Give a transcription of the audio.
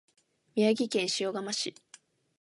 宮城県塩竈市